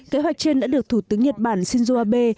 kế hoạch trên đã được thủ tướng nhật bản shinzo abe